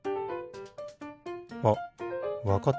あっわかった。